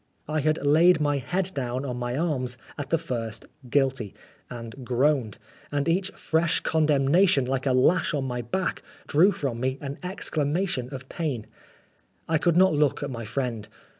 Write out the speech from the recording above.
I had laid my head down on my arms at the first "Guilty" and groaned, and each fresh condemnation, like a lash on my back, drew from me an exclama tion of pain. I could not look at my friend.